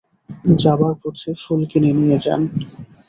যাবার পথে ফুল কিনে নিয়ে যান।